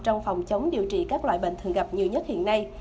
trong phòng chống điều trị các loại bệnh thường gặp nhiều nhất hiện nay